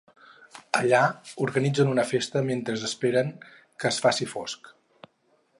Allà organitzen una festa mentre esperen que es faci fosc.